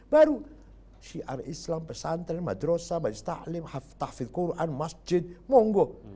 baru syiar islam pesantren madrosa bais ta'lim hafidh masjid monggo